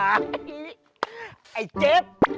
ไอ้เจ็บ